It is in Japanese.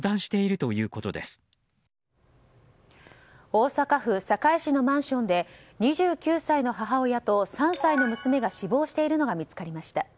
大阪府堺市のマンションで２９歳の母親と３歳の娘が死亡しているのが見つかりました。